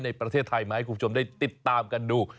ในประเทศไทยมาให้คุณผู้ชมได้ติดตามกันดู